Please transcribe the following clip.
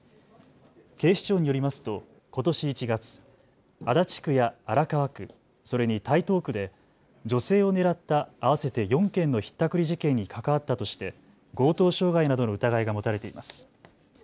警視庁によりますとことし１月、足立区や荒川区、それに台東区で女性を狙った合わせて４件のひったくり事件に関わったとして強盗傷害などの疑いが持たれています。